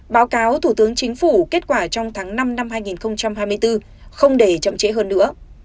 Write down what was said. báo cáo thủ tướng chính phủ kết quả trong tháng năm năm hai nghìn hai mươi bốn không để chậm trễ hơn nữa